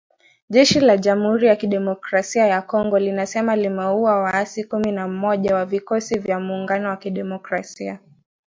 Jeshi la Jamuhuri ya kidemokrasia ya Kongo linasema limeua waasi kumi na mmoja wa Vikosi vya Muungano wa Kidemokrasia